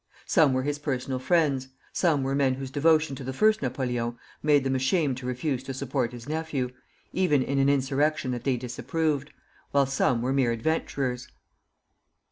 Some were his personal friends; some were men whose devotion to the First Napoleon made them ashamed to refuse to support his nephew, even in an insurrection that they disapproved; while some were mere adventurers.